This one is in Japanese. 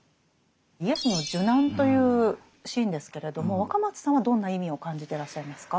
イエスの受難というシーンですけれども若松さんはどんな意味を感じてらっしゃいますか？